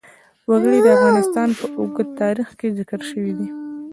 وګړي د افغانستان په اوږده تاریخ کې ذکر شوی دی.